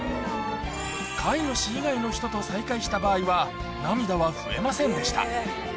飼い主以外の人と再会した場合は、涙は増えませんでした。